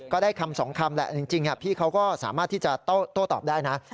ได้คำสองคำแหละจริงพี่เขาก็สามารถที่จะโต้ตอบได้นะ